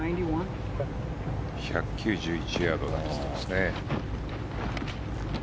１９１ヤードと出ていますね。